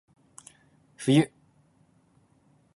かっこよ